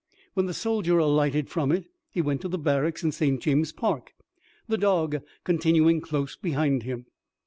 When the soldier alighted from it, he went to the barracks in St. James's Park, the dog continuing close behind him.